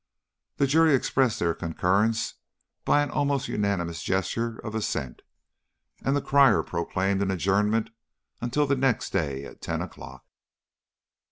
The jury expressed their concurrence by an almost unanimous gesture of assent, and the crier proclaimed an adjournment until the next day at ten o'clock.